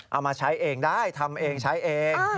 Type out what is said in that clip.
เอามาใช้เองได้ทำเองใช้เอง